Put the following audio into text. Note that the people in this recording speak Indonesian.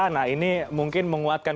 nah ini mungkin menguatkan